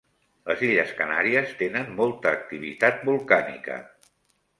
Les Illes Canàries tenen molta activitat volcànica.